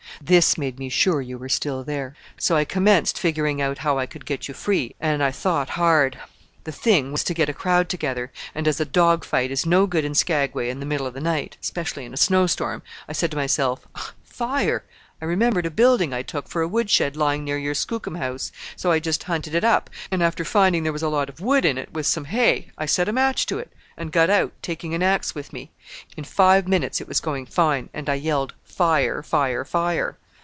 This made me sure you were still there, so I commenced figuring out how I could get you free, and I thought hard. The thing was to get a crowd together; and as a dog fight is no good in Skagway in the middle of the night especially in a snowstorm I said to myself, 'Fire!' I remembered a building I took for a wood shed lying near your skookum house, so I just hunted it up, and after finding there was a lot of wood in it, with some hay, I set a match to it, and got out, taking an axe with me. In five minutes it was going fine, and I yelled 'Fire! fire! fire!'